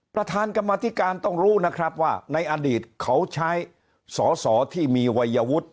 ประธานกรรมธิการต้องรู้นะครับว่าในอดีตเขาใช้สอสอที่มีวัยวุฒิ